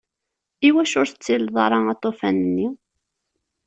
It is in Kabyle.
Iwacu ur tettileḍ ara aṭufan-nni?